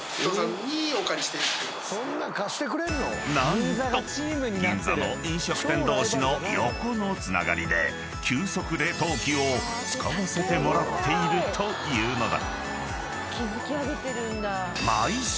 ［何と銀座の飲食店同士の横のつながりで急速冷凍機を使わせてもらっているというのだ］